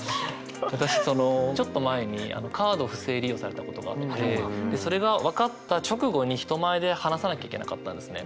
私そのちょっと前にカード不正利用されたことがあってそれが分かった直後に人前で話さなきゃいけなかったんですね。